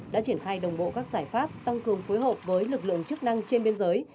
đã triển khai đồng bộ các giải pháp tăng cường phối hợp với lực lượng chức năng trên biên giới